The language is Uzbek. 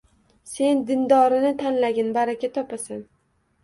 Sen dindorini tanlagin, baraka topasan.